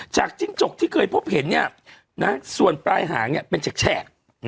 จิ้งจกที่เคยพบเห็นส่วนปลายหางเป็นแฉก